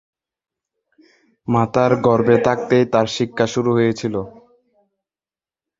মাতার গর্ভে থাকতেই তার শিক্ষা শুরু হয়েছিল।